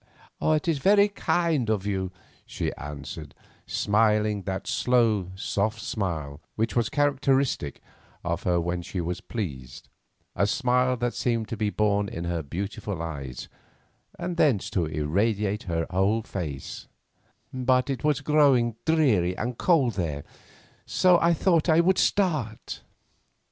"It is very kind of you," she answered, smiling that slow, soft smile which was characteristic of her when she was pleased, a smile that seemed to be born in her beautiful eyes and thence to irradiate her whole face; "but it was growing dreary and cold there, so I thought that I would start."